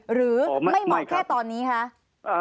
หรือไม่เหมาะแค่ตอนนี้คะ